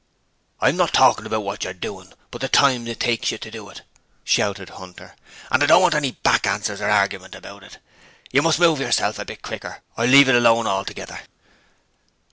'I'm not talking about what you're doing, but the time it takes you to do it!' shouted Hunter. 'And I don't want any back answers or argument about it. You must move yourself a bit quicker or leave it alone altogether.'